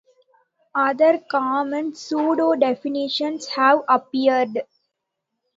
Other common pseudo-definitions have appeared.